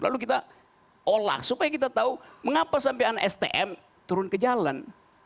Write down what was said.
lalu kita olah supaya kita tahu mengapa sampai anak stm turun ke jalan